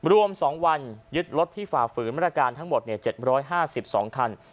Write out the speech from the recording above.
รวม๒วันยึดรถที่ฝ่าฝืนมาตรการทั้งหมด๗๕๒คัน